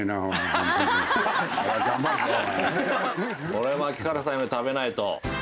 これ槙原さんより食べないと。